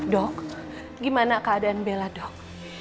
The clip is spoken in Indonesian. dok gimana keadaan bella dok